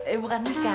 eh bukan mika